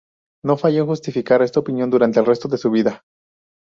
No falló en justificar esta opinión, durante el resto de su vida.